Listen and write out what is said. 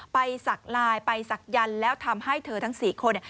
สักลายไปศักยันต์แล้วทำให้เธอทั้ง๔คน